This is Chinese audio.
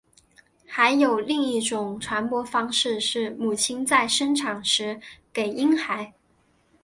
还有另一种传播方式是母亲在生产时给婴孩。